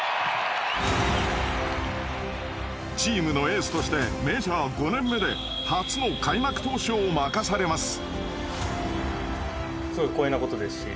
チームのエースとしてメジャー５年目で初の開幕投手を任されます。